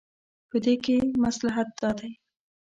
په دې کې مصلحت دا دی.